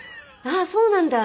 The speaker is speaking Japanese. あっそうなんだ」